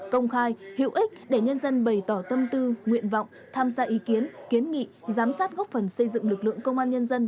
công khai hữu ích để nhân dân bày tỏ tâm tư nguyện vọng tham gia ý kiến kiến nghị giám sát góp phần xây dựng lực lượng công an nhân dân